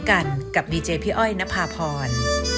กันกับดีเจพี่อ้อยนภาพร